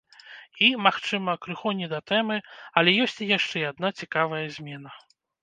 І, магчыма, крыху не да тэмы, але ёсць і яшчэ адна цікавая змена.